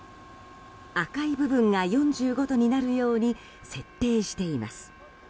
赤い部分が４５度になるように設定しています。